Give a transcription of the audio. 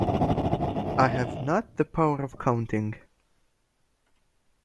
I have not the power of counting.